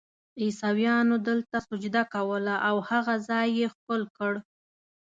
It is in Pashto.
عیسویانو دلته سجده کوله او هغه ځای یې ښکل کړ.